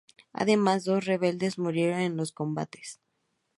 Además, dos rebeldes murieron en los combates.